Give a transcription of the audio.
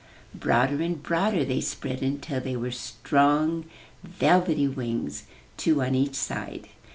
Broader and broader they spread until they were strong, velvety wings, two on each side.